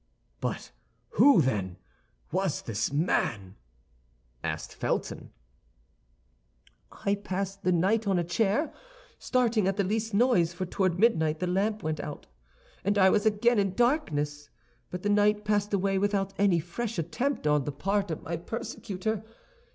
"But who, then, was this man?" asked Felton. "I passed the night on a chair, starting at the least noise, for toward midnight the lamp went out, and I was again in darkness. But the night passed away without any fresh attempt on the part of my persecutor.